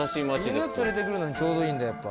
犬連れて来るのにちょうどいいんだやっぱ。